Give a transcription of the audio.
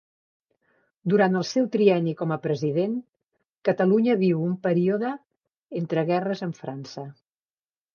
Durant el seu trienni com a president, Catalunya viu un període entre guerres amb França.